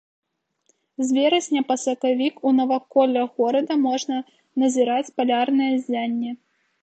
З верасня па сакавік у наваколлях горада можна назіраць палярнае ззянне.